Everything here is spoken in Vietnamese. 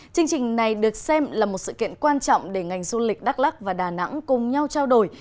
chương trình này được xem là một sự kiện quan trọng để ngành du lịch đắk lắc và đà nẵng cùng nhau trao đổi